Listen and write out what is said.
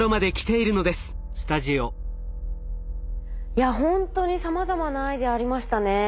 いやほんとにさまざまなアイデアありましたね。